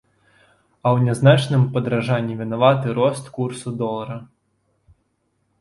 А ў нязначным падаражанні вінаваты рост курсу долара.